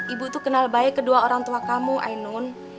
ibu itu kenal baik kedua orang tua kamu ainun